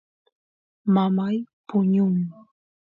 mamay puñun